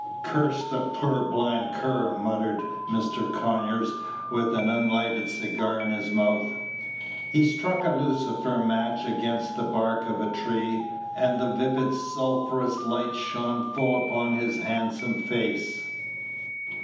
"Curse the purblind cur," muttered Mr. Conyers, with an unlighted cigar in his mouth. He struck a lucifer match against the bark of a tree, and the vivid sulphurous light shone full upon his handsome face.